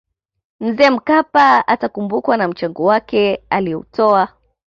mzee mkapa atakumbukwa kwa mchango wake aliyoutoa